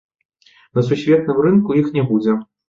На сусветным рынку іх не будзе.